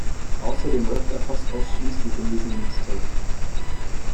Außerdem rappt er fast ausschließlich in diesem Mixtape.